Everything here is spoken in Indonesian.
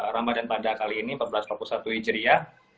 ramadhan pada kali ini empat belas satu hijri ya